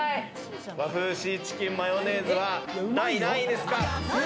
和風シーチキンマヨネーズは第何位ですか？